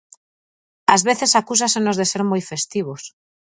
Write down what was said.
Ás veces acusásenos de ser moi festivos.